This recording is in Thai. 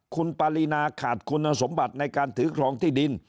คุณปารีนาขาดคุณสมบัติในการถือครองที่ดิน